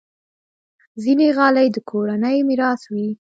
ځینې غالۍ د کورنۍ میراث وي.